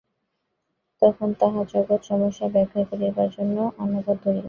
তখন তাঁহারা জগৎ-সমস্যা ব্যাখ্যা করিবার জন্য অন্য পথ ধরিলেন।